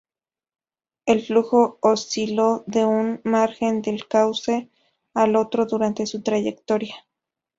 El flujo osciló de un margen del cauce al otro durante su trayectoria.